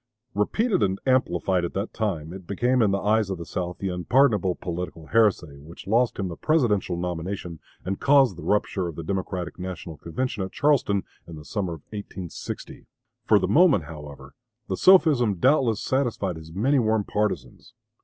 Repeated and amplified at that time, it became in the eyes of the South the unpardonable political heresy which lost him the Presidential nomination and caused the rupture of the Democratic National Convention at Charleston in the summer of 1860. For the moment, however, the sophism doubtless satisfied his many warm partisans.